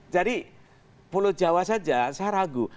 jadi pulau jawa saja saya ragu